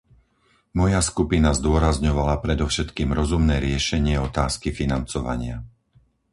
Moja skupina zdôrazňovala predovšetkým rozumné riešenie otázky financovania.